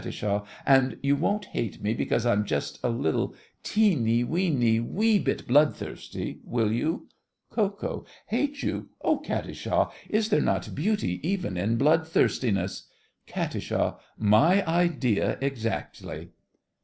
And you won't hate me because I'm just a little teeny weeny wee bit bloodthirsty, will you? KO. Hate you? Oh, Katisha! is there not beauty even in bloodthirstiness? KAT. My idea exactly.